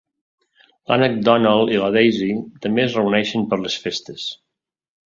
L'Ànec Donald i la Daisy també es reuneixen per les festes.